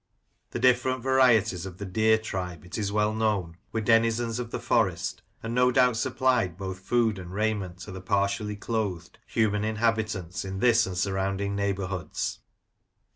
The different 72 Lancashire Characters and Places, varieties of the deer tribe, it is well known, were denizens of the Forest, and no doubt supplied both food and raiment to the partially clothed human inhabitants in this and surround ing neighbourhoods.